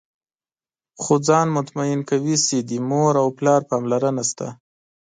خو ځان مطمئن کوي چې د مور او پلار پاملرنه شته.